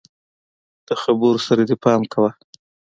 د خبرو سره دي پام کوه!